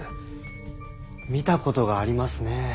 見たことがありますねえ。